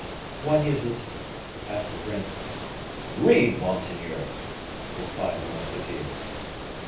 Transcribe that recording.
"What is it?" asked the prince. "Read, monseigneur," replied the musketeer.